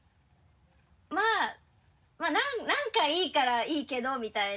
まぁなんかいいからいいけどみたいな。